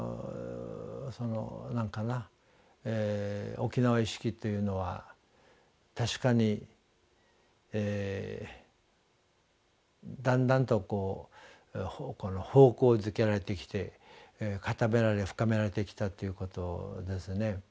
そのなんかな沖縄意識っていうのは確かにだんだんと方向付けられてきて固められ深められてきたということですね。